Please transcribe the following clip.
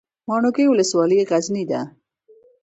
ماڼوګي ولسوالۍ غرنۍ ده؟